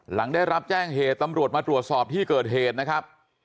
หลังได้รับแจ้งเหตุตำรวจมาตรวจสอบที่เกิดเหตุนะครับ